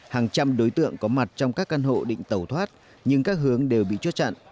hàng trăm đối tượng có mặt trong các căn hộ định tẩu thoát nhưng các hướng đều bị chốt chặn